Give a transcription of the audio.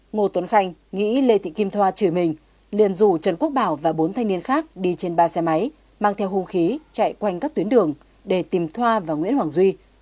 ngô tuấn khanh nghĩ lê thị kim thoa chửi mình liền rủ trần quốc bảo và bốn thanh niên khác đi trên ba xe máy mang theo hung khí chạy quanh các tuyến đường để tìm thoa và nguyễn hoàng duy